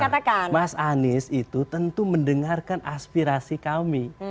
karena mas anies itu tentu mendengarkan aspirasi kami